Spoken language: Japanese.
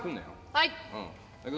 はい！